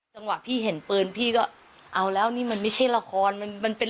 จังหวะพี่เห็นปืนพี่ก็เอาแล้วนี่มันไม่ใช่ละครมันมันเป็น